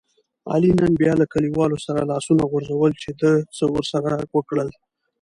علي نن بیا له کلیوالو سره لاسونه غورځول چې ده څه ورسره وکړل.